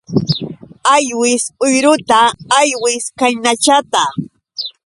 Aywis uyruta aywis kaynachata.